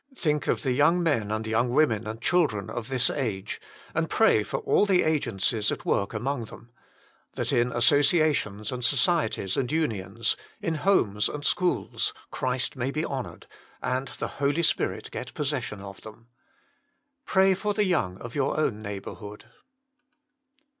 Think of the young men and young women and children of this age, and pray for all the agencies at work among them ; that in associa tions and societies and unions, in homes and schools, Christ may be honoured, and the Holy Spirit get possession of them. Pray for the young of your own neighbourhood.